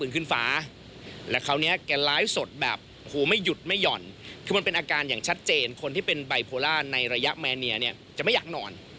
คือมันเป็นอาการอย่างชัดเจนคนที่เป็นไบโพล่าในระยะแมนเนียเนี่ยจะไม่อยากนอน